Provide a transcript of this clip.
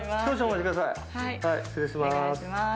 失礼します。